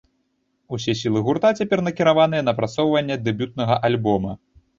Усе сілы гурта цяпер накіраваныя на прасоўванне дэбютнага альбома.